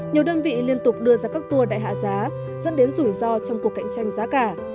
nhiều đơn vị liên tục đưa ra các tour đại hạ giá dẫn đến rủi ro trong cuộc cạnh tranh giá cả